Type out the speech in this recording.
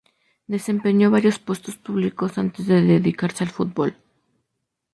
Desempeñó varios puestos públicos antes de dedicarse al fútbol.